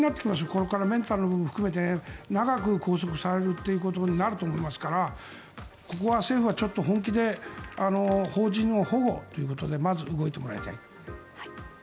これからメンタルも含めて長く拘束されることになると思からここは政府はちょっと本気で邦人の保護ということでまず動いてもらいたい。